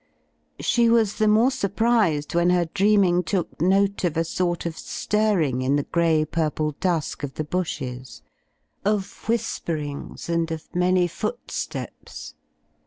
She was the more surprised when her dreaming took note of a sort of stirring in the grey purple dusk of the bushes; of whisperings; and of many footsteps.